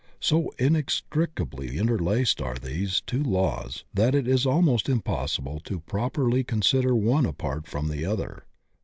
So inextricably interlaced are these two laws that it is almost impossible to properly con sider one apart from the other.